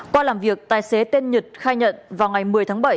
qua làm việc tài xế tên nhật khai nhận vào ngày một mươi tháng bảy